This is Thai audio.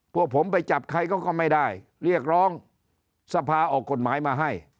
พวกผมไปจับใครเขาก็ไม่ได้เรียกร้องสภาออกกฎหมายมาให้